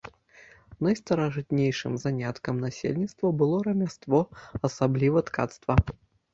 Найстаражытнейшым заняткам насельніцтва было рамяство, асабліва ткацтва.